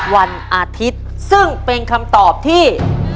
วันอาทิตย์ซึ่งเป็นคำตอบที่